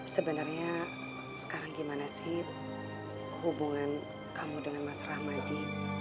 sebenernya sekarang gimana sih hubungan kamu dengan mas rahmadi